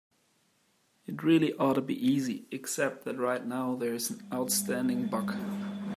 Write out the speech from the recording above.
It really ought to be easy, except that right now there's an outstanding bug.